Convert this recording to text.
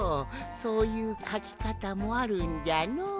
そういうかきかたもあるんじゃのう。